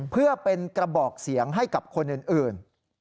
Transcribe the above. เพื่อเป็นกระบอกเสียงให้กับคนอื่น